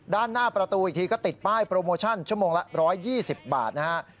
ด้านหน้าประตูอีกทีก็ติดป้ายโปรโมชั่นชั่วโมงละ๑๒๐บาทนะฮะ